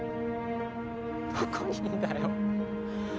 どこにいんだよ